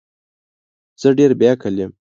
زه ډیر بی عقل یم